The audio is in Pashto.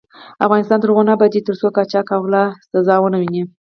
افغانستان تر هغو نه ابادیږي، ترڅو قاچاق او غلا سزا ونه ويني.